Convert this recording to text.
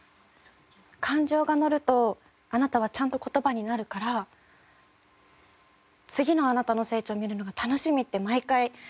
感情がのるとあなたはちゃんと言葉になるから次のあなたの成長見るのが楽しみって毎回。